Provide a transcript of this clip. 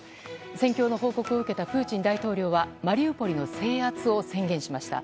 戦況の報告を受けたプーチン大統領はマリウポリの制圧を宣言しました。